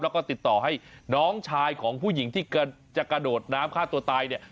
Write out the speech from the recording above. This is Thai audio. แล้วก็ติดต่อให้น้องชายของผู้หญิงที่จะกระโดดน้ำฆ่าตัวตายเนี่ย